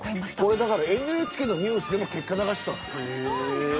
これだからＮＨＫのニュースでも結果流してたんです。